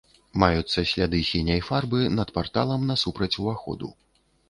Маюцца сляды сіняй фарбы над парталам насупраць уваходу.